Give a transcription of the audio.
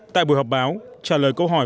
tại buổi họp báo trả lời câu hỏi